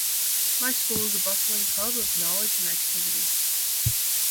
My school is a bustling hub of knowledge and activity.